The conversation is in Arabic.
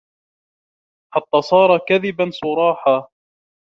حَتَّى صَارَ كَذِبًا صُرَاحًا